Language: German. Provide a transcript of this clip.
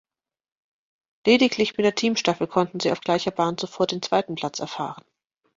Lediglich mit der Teamstaffel konnten sie auf gleicher Bahn zuvor den zweiten Platz erfahren.